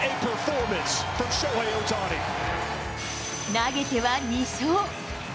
投げては２勝。